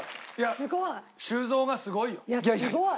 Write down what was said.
すごい。いやすごい。